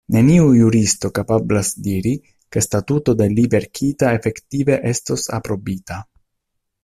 Neniu juristo kapablas diri, ke statuto de li verkita efektive estos aprobita.